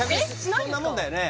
そんなもんだよね